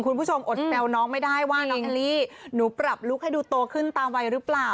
คุณผู้ชมอดแปลวน้องไม่ได้ว่าน้องเอลลี่นุปรับลูกให้ดูโตขึ้นตามวัยหรือเปล่า